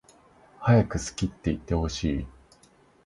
はやく好きっていってほしい